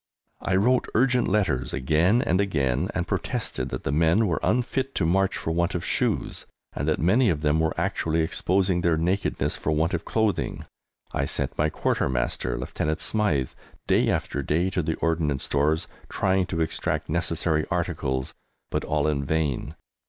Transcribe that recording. I wrote urgent letters again and again, and protested that the men were unfit to march for want of shoes, and that many of them were actually exposing their nakedness for want of clothing. I sent my Quartermaster, Lieutenant Smythe, day after day, to the Ordnance Stores trying to extract necessary articles, but all in vain!